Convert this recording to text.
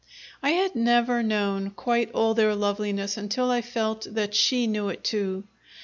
I had never known quite all their loveliness until I felt that she knew it too.